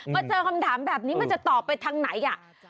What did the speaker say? เจอคำถามแบบนี้มันจะตอบไปทางไหน